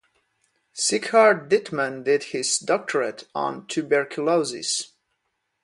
Sieghart Dittmann did his doctorate on "Tuberculosis".